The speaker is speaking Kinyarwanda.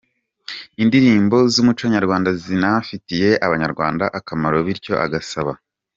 indirimbo zumuco nyarwanda zinafitiye abanyarwanda akamaro bityo agasaba.